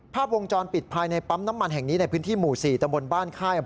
ภาพวงจรปิดภายในปั๊มน้ำมันแห่งนี้ในพื้นที่หมู่๔ตำบลบ้านค่าย